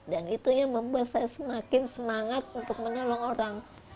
dan itunya membuat saya semakin semangat untuk menolong orang